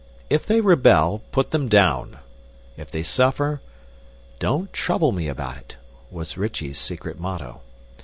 If they rebel, put them down; if they suffer, "Don't trouble me about it" was Rychie's secret motto.